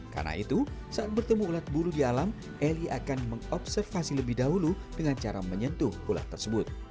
karena itu saat bertemu ulat bulu di alam eli akan mengobservasi lebih dahulu dengan cara menyentuh ulat tersebut